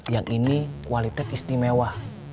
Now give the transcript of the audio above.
yang ini kualitas istimewa